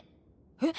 えっ？